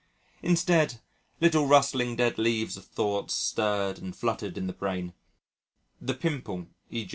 Instead, little rustling dead leaves of thoughts stirred and fluttered in the brain the pimple _e.